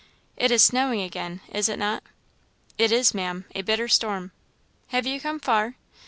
It is snowing again, is it not?" "It is, Maam a bitter storm." "Have you come far?"